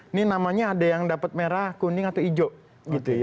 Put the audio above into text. ini namanya ada yang dapat merah kuning atau hijau